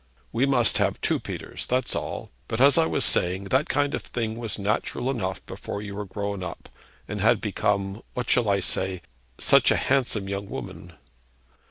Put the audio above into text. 'We must have two Peters; that's all. But as I was saying, that kind of thing was natural enough before you were grown up, and had become what shall I say? such a handsome young woman.'